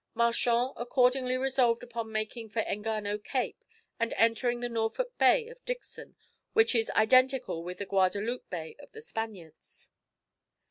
Marchand accordingly resolved upon making for Engano Cape and entering the Norfolk Bay of Dixon, which is identical with the Guadaloupe Bay of the Spaniards.